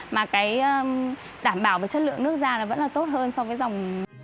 mà cái đảm bảo về chất lượng nước ra là vẫn là tốt hơn so với dòng